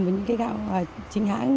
với những cái gạo chính hãng